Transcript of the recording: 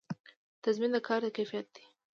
تضمین د کار د کیفیت دی